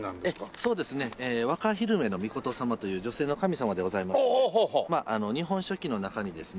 そうですね稚日女尊様という女性の神様でございまして『日本書紀』の中にですね